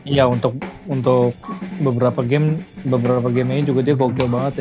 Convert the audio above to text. iya untuk beberapa game beberapa gamenya juga dia fokus banget ya